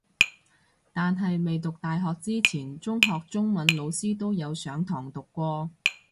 但係未讀大學之前中學中文老師都有上堂讀過